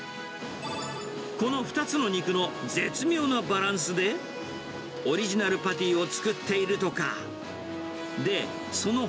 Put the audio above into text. この２つの肉の絶妙なバランスで、オリジナルパティを作っているとか。